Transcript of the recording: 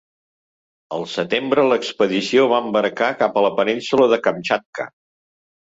Al setembre, l'expedició va embarcar cap a la península de Kamtxatka.